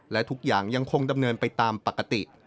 และทุกอย่างยังคงดำเนินไปตามปกติ